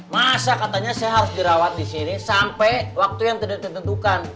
masa katanya saya harus dirawat di sini sampai waktu yang tidak ditentukan